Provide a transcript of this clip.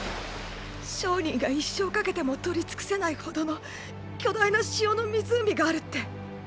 商人が一生かけても取り尽くせないほどの巨大な塩の湖があるって。